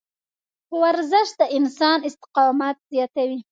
ورزش د انسان استقامت زیاتوي.